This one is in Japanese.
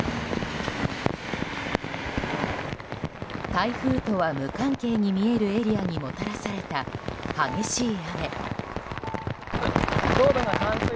台風とは無関係に見えるエリアにもたらされた激しい雨。